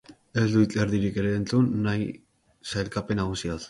Ez du hitz erdirik ere entzun nahi sailkapen nagusiaz.